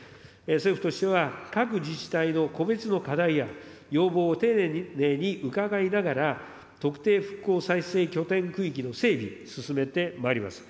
政府としては、各自治体の個別の課題や、要望を丁寧に伺いながら、特定復興再生拠点区域の整備、進めてまいります。